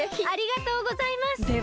ありがとうございます！